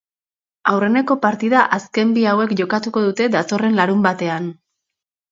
Aurreneko partida azken bi hauek jokatuko dute datorren larunbatean.